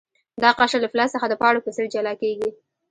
دا قشر له فلز څخه د پاڼو په څیر جلا کیږي.